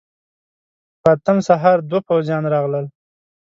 په اتم سهار دوه پوځيان راغلل.